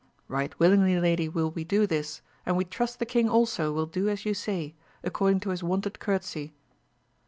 — ^Right willingly lady will we do this, and we trust the king also will do as you say, accord ing to his wonted courtesy.